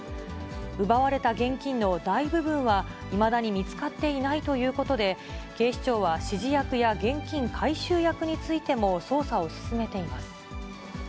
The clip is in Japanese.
奪われた現金の大部分は、いまだに見つかっていないということで、警視庁は指示役や現金回収役についても捜査を進めています。